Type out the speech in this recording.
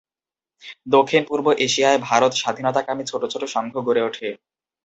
দক্ষিণ-পূর্ব এশিয়ায় ভারত স্বাধীনতাকামী ছোট ছোট সংঘ গড়ে ওঠে।